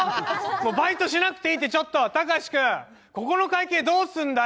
もうバイトしなくていいってちょっと貴士君ここの会計どうすんだよ